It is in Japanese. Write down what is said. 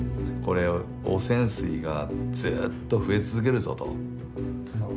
これ汚染水がずっと増え続けるぞと。